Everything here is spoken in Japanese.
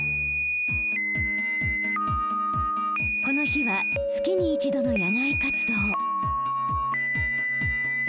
この日は月に一度の野外活動。